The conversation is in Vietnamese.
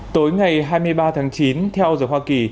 tối ngày hai mươi ba tháng chín theo giờ hoa kỳ